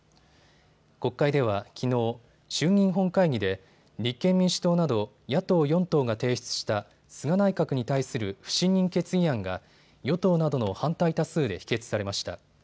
国会ではきのう、衆議院本会議で立憲民主党など野党４党が提出した菅内閣に対する不信任決議案が与党などの反対多数で否決されました。